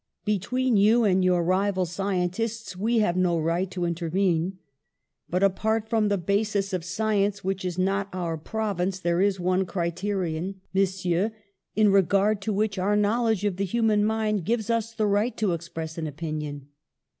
Between you and your rival scientists we have no right to intervene. But, apart from the basis of science, which is not our province, there is one criterion, Monsieur, in THE SOVEREIGNTY OF GENIUS 145 regard to which our knowledge of the human mind gives us the right to express an opinion.